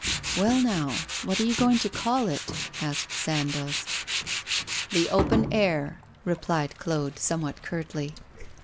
'Well, now, what are you going to call it?' asked Sandoz. 'The Open Air,' replied Claude, somewhat curtly.